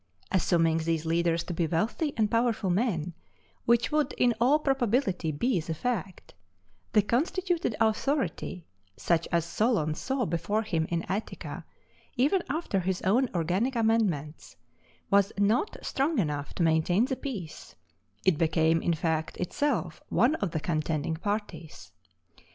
Assuming these leaders to be wealthy and powerful men, which would in all probability be the fact, the constituted authority such as Solon saw before him in Attica, even after his own organic amendments was not strong enough to maintain the peace; it became, in fact, itself one of the contending parties.